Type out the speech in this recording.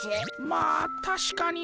まあたしかに。